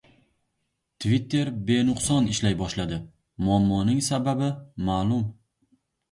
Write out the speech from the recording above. Twitter benuqson ishlay boshladi: muammoning sababi ma’lum